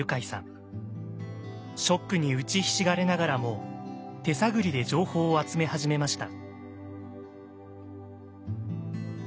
ショックに打ちひしがれながらも手探りで情報を集め始めました。